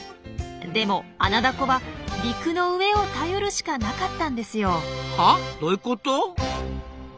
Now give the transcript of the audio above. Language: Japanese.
でもアナダコは陸の上を頼るしかなかったんですよ。は？どういうこと？